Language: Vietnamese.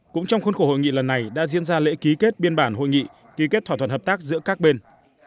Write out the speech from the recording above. cũng trong khuôn khổ hội nghị lần này đã diễn ra lễ ký kết biên bản hội nghị ký kết thỏa thuận hợp tác giữa các bên